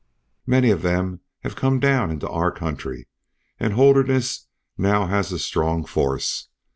Many of them have come down into our country, and Holderness now has a strong force.